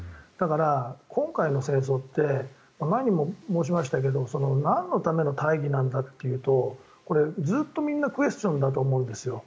だから、今回の戦争って前にも申しましたけど何のための大義なんだというとずっとクエスチョンだと思うんです。